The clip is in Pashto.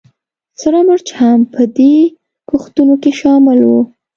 سره مرچ هم په دې کښتونو کې شامل وو